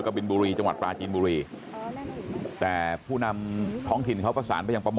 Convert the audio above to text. กับปีบุรีจังหวาสปาชีนบุรีแต่ผู้นำท้องถิ่นเขาภาษามา